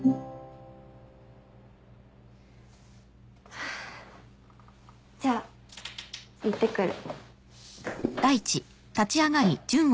はぁじゃあ行ってくる。